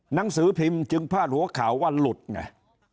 หนังสือพิมพ์จึงพาดหัวข่าวว่าหลุดไง